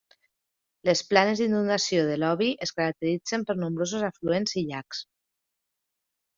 Les planes d'inundació de l'Obi es caracteritzen per nombrosos afluents i llacs.